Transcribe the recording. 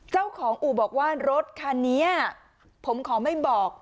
เจ้าของอู่ว่ารถคณ์เนี่ยผมขอไม่บอก